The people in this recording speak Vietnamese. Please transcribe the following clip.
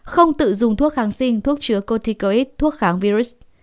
không tự dùng thuốc kháng sinh thuốc chứa cotticoid thuốc kháng virus